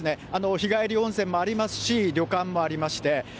日帰り温泉もありますし、旅館もありまして。